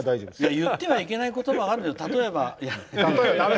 言っちゃいけないこともあるじゃん、例えば。